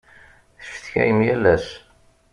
Tecetkayem yal ass.